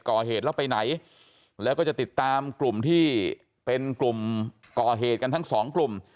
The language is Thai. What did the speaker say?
ก่อเหตุแล้วไปไหนแล้วก็จะติดตามกลุ่มที่เป็นกลุ่มก่อเหตุกันทั้งสองกลุ่ม